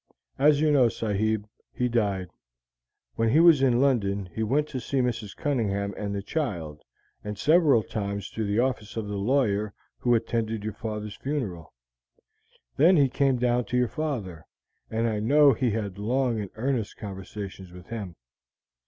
As you know, sahib, he died. When he was in London he went to see Mrs. Cunningham and the child, and several times to the office of the lawyer who attended your father's funeral. Then he came down to your father, and I know he had long and earnest conversations with him.